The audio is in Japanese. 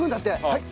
はい。